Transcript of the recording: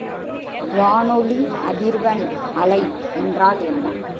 வானொலி அதிர்வெண் அலை என்றால் என்ன?